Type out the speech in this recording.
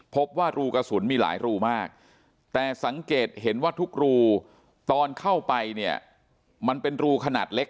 พบว่ารูกระสุนมีหลายรูมากแต่สังเกตเห็นว่าทุกรูตอนเข้าไปเนี่ยมันเป็นรูขนาดเล็ก